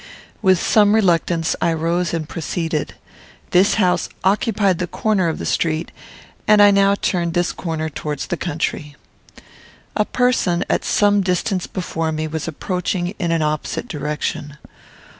With some reluctance I rose and proceeded. This house occupied the corner of the street, and I now turned this corner towards the country. A person, at some distance before me, was approaching in an opposite direction.